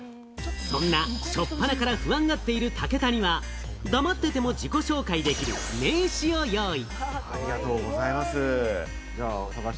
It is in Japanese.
そんなしょっぱなから不安がってる武田は、黙っていても自己紹介で名刺をご用意。